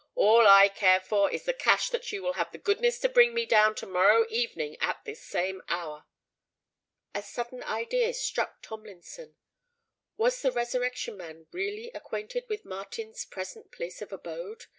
"All I care for is the cash that you will have the goodness to bring me down to morrow evening at this same hour." A sudden idea struck Tomlinson. Was the Resurrection Man really acquainted with Martin's present place of abode?